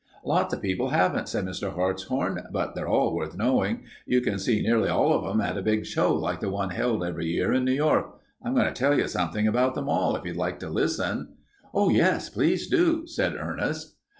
"Lots of people haven't," said Mr. Hartshorn, "but they're all worth knowing. You can see nearly all of them at a big show like the one held every year in New York. I'm going to tell you something about them all, if you'd like to listen." "Oh, yes, please do," said Ernest.